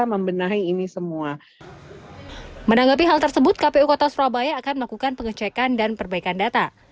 menanggapi hal tersebut kpu kota surabaya akan melakukan pengecekan dan perbaikan data